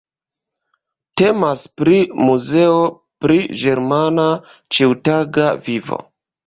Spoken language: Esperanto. Temas pri muzeo pri ĝermana ĉiutaga vivo.